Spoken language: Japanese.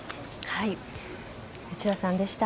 千田さんでした。